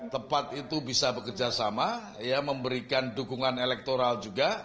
tepat itu bisa bekerja sama memberikan dukungan elektoral juga